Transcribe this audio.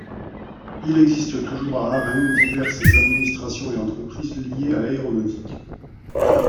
Il existe toujours à Haren diverses administrations et entreprises liées à l'aéronautique.